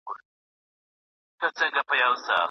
نه ګېډۍ غواړو د ګلو نه محتاجه له باغوانه